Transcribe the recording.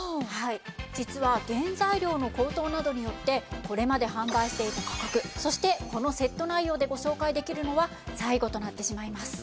実は原材料の高騰などによってこれまで販売していた価格そしてこのセット内容でご紹介できるのは最後となってしまいます。